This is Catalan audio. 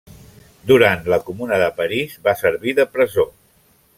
Durant la Comuna de París va servir de presó.